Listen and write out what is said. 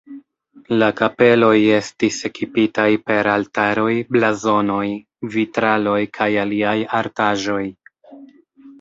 La kapeloj estis ekipitaj per altaroj, blazonoj, vitraloj kaj aliaj artaĵoj.